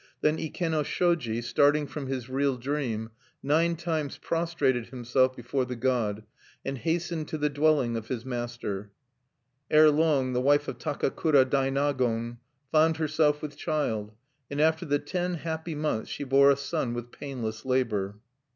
Then Ikenoshoji, starting from his real dream, nine times prostrated himself before the god, and hastened to the dwelling of his master. Erelong the wife of Takakura Dainagon found herself with child; and after the ten(4) happy months she bore a son with painless labor.